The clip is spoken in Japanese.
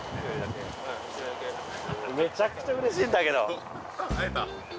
めちゃくちゃうれしいんだけど。